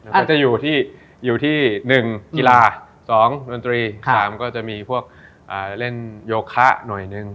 ก็จะอยู่ที่๑กีฬา๒นวรรดิ๓เล่นโยคะหน่อยหนึ่ง